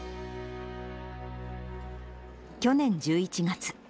去年１１月。